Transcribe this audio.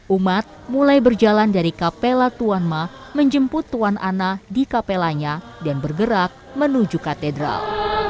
umat mulai berjalan dari kapela tuan ma menjemput tuan ana di kapelanya dan bergerak menuju katedral